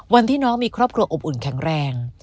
วันที่น้องมีครอบครัวอบอุ่นแข็งแรง